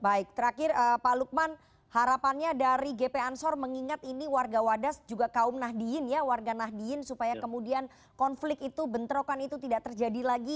baik terakhir pak lukman harapannya dari gp ansor mengingat ini warga wadas juga kaum nahdien ya warga nahdien supaya kemudian konflik itu bentrokan itu tidak terjadi lagi